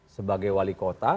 sebagai wali kota